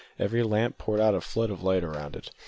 Every lamp poured a flood of light around it.